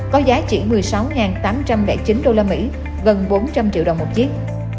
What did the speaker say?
có giá chỉ một mươi sáu tám trăm linh chín usd gần bốn trăm linh triệu đồng một chiếc